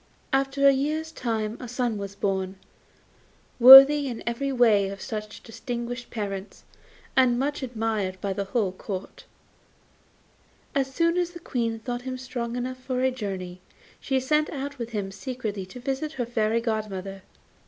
After a year's time a son was born, worthy in every way of such distinguished parents, and much admired by the whole Court. As soon as the Queen thought him strong enough for a journey she set out with him secretly to visit her Fairy godmother.